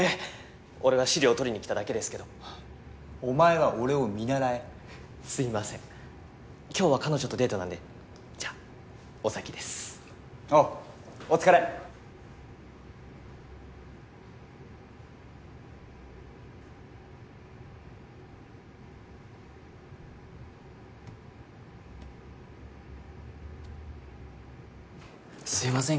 俺は資料取りに来ただけですけどお前は俺を見習えすいません今日は彼女とデートなんでじゃあお先ですおうお疲れすいません